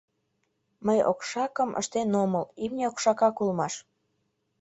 Мый окшакым ыштен омыл: имне окшакак улмаш.